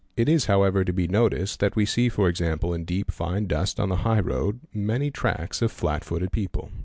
It is however to be noticed that we see, for example in deep, fine dust on the high road, many racks of flat footed people.